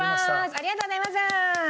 ありがとうございます！